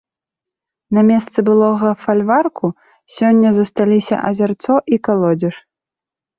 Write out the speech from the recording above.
На месцы былога фальварку сёння засталіся азярцо і калодзеж.